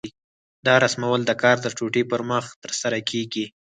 دا رسمول د کار د ټوټې پر مخ ترسره کېږي.